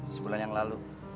sebulan yang lalu